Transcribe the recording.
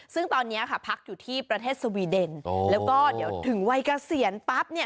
ซึ่งตอนนี้ผักอยู่ที่ประเทศสวีเดนแล้วก็ถึงวัยเกษียณปั๊บ